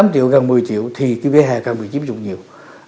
bảy tám triệu gần một mươi triệu thì cái vẻ hè càng bị chiếm dụng nhiều